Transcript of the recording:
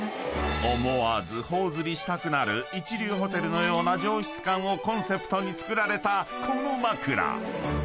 ［思わず頬ずりしたくなる一流ホテルのような上質感をコンセプトに作られたこの枕］